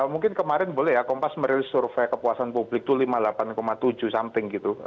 mungkin kemarin boleh ya kompas merilis survei kepuasan publik itu lima puluh delapan tujuh something gitu